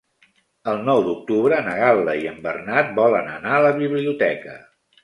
El nou d'octubre na Gal·la i en Bernat volen anar a la biblioteca.